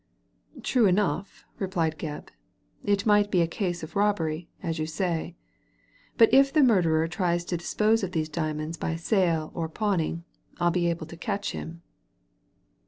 * True enough,'* replied Gebb, " it might be a case of robbery, as you say. But if the murderer tries to dispose of those diamonds by sale or pawning, 111 be able to catch him."